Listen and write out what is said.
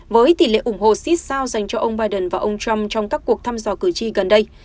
với tỷ lệ ủng hộ xích sao dành cho ông biden và ông trump trong các cuộc thăm dò cử tri gần đây